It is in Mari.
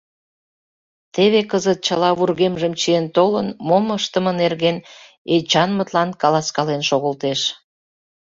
Теве кызыт чыла вургемжым чиен толын, мом ыштыме нерген Эчанмытлан каласкален шогылтеш.